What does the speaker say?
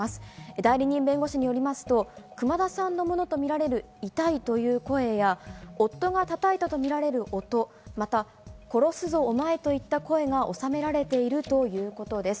代理人弁護士によりますと、熊田さんのものとみられる痛いという声や、夫が叩いたとみられる音、また、殺すぞお前！といった声が収められているということです。